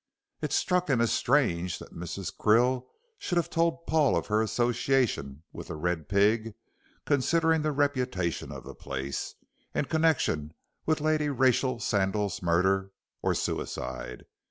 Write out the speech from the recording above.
It struck him as strange that Mrs. Krill should have told Paul of her association with "The Red Pig," considering the reputation of the place, in connection with Lady Rachel Sandal's murder or suicide.